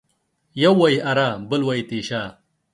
يو وايي اره ، بل وايي تېشه.